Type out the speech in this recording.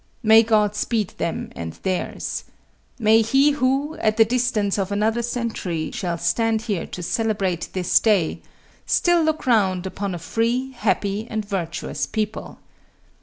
May God speed them and theirs. May he who, at the distance of another century, shall stand here to celebrate this day, still look round upon a free, happy, and virtuous people.